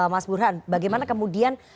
mas burhan bagaimana kemudian